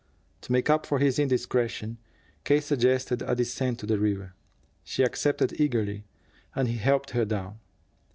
To make up for his indiscretion, K. suggested a descent to the river. She accepted eagerly, and he helped her down.